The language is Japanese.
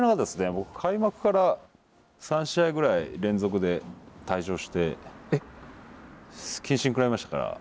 僕開幕から３試合ぐらい連続で退場して謹慎食らいましたから。